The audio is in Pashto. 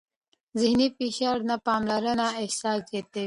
ذهني فشار د نه پاملرنې احساس زیاتوي.